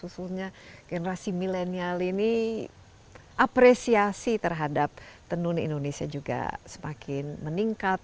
usulnya generasi milenial ini apresiasi terhadap tenun indonesia juga semakin meningkat